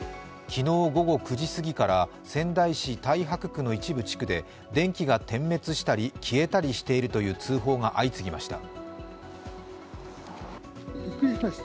昨日午後９時すぎから仙台市太白区の一部地区で電気が点滅したり消えたりしているという通報が相次ぎました。